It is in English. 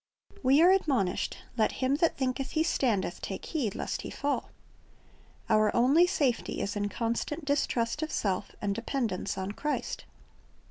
We are admonished, "Let him that thinketh he standeth, take heed lest he fall."^ Our only safety is in constant distrust of self, and dependence on Christ.